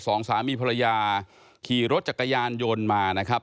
สองสามีภรรยาขี่รถจักรยานยนต์มานะครับ